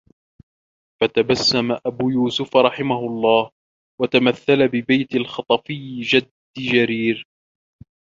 فَتَبَسَّمَ أَبُو يُوسُفَ رَحِمَهُ اللَّهُ وَتَمَثَّلَ بِبَيْتِيِّ الْخَطَفِيِّ جَدِّ جَرِيرٍ